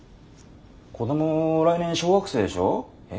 子ども来年小学生でしょ？え？